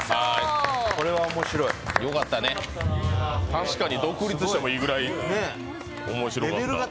確かに独立してもいいぐらい面白かった。